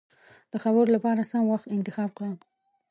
د خبرو له پاره سم وخت انتخاب کړه.